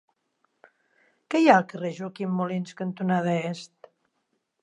Què hi ha al carrer Joaquim Molins cantonada Est?